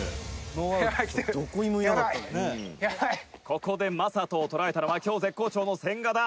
「ここで魔裟斗を捉えたのは今日絶好調の千賀だ。